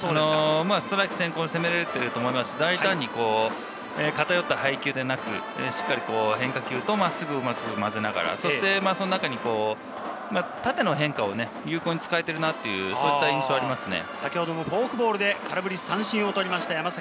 ストライク先行に攻められてると思いますし、大胆に偏った配球ではなく、しっかり変化球と真っすぐをうまく交ぜながら、その中に縦の変化を有効に使えているなという印象がありますね。